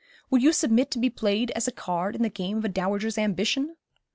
Would you submit to be played as a card in the game of a dowager's ambition?